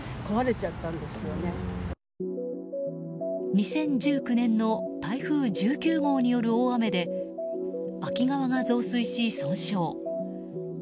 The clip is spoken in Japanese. ２０１９年の台風１９号による大雨で秋川が増水し、損傷。